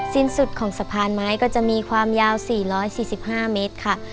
สิ้นสุดของสะพานไม้ก็จะมีความยาวสี่ร้อยสี่สิบห้าเมตรค่ะ